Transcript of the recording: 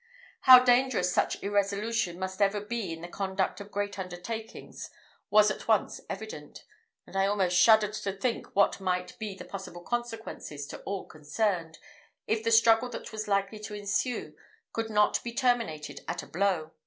How dangerous such irresolution must ever be in the conduct of great undertakings was at once evident; and I almost shuddered to think what might be the possible consequences to all concerned, if the struggle that was likely to ensue could not be terminated at a blow.